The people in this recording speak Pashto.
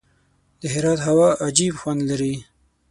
د هرات هوا عجیب خوند لري.